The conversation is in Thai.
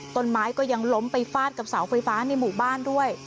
ต้นไม้ก็ยังล้มไปฟาดกับเสาไฟฟ้าในหมู่บ้านด้วย